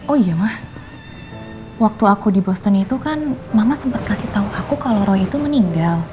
oh iya mah waktu aku di boston itu kan mama sempat kasih tahu aku kalau roy itu meninggal